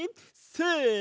せの！